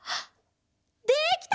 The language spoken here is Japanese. できた！